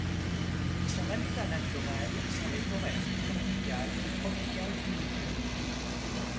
Son habitat naturel sont les forêts subtropicales ou tropicales humides.